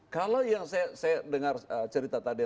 kalau yang saya dengar cerita tadi